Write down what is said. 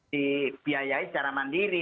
dibayai secara mandiri